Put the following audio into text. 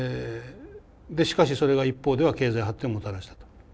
でしかしそれが一方では経済発展をもたらしたと。